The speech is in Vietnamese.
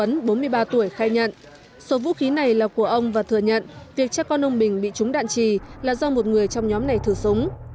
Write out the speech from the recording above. trần tuấn bốn mươi ba tuổi khai nhận số vũ khí này là của ông và thừa nhận việc cha con ông bình bị trúng đạn trì là do một người trong nhóm này thử súng